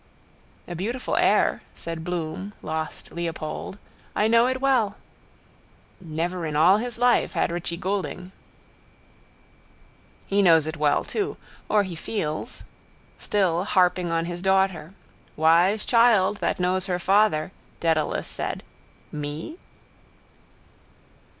—A beautiful air, said Bloom lost Leopold. I know it well. Never in all his life had Richie Goulding. He knows it well too. Or he feels. Still harping on his daughter. Wise child that knows her father, Dedalus said. Me?